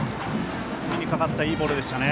指にかかったいいボールでしたね。